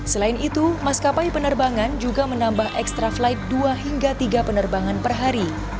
selain itu maskapai penerbangan juga menambah ekstra flight dua hingga tiga penerbangan per hari